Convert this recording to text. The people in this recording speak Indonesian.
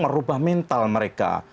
merubah mental mereka